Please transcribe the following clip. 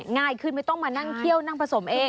ง่ายขึ้นไม่ต้องมานั่งเคี่ยวนั่งผสมเอง